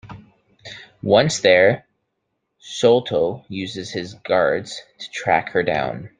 Once there, Sholto uses his guards to track her down.